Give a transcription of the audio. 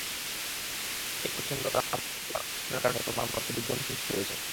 এই প্রচও কামনা বা প্রবল আকর্ষণের কারণে তোমার মধ্যে বিভ্রম সৃষ্টি হয়েছে।